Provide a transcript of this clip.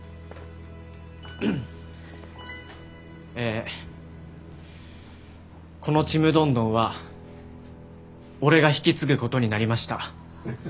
えこのちむどんどんは俺が引き継ぐことになりました。